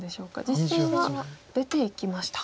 実戦は出ていきました。